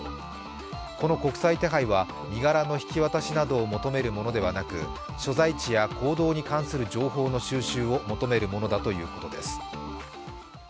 この国際手配は身柄の引き渡しなどを求めるものではなく所在地や行動に関する情報の収集を求めるものだということです。